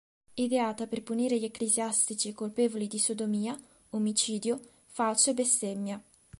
Ideata per punire gli ecclesiastici colpevoli di sodomia, omicidio, falso e bestemmia.